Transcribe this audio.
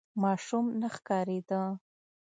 ماشوم نه ښکارېده.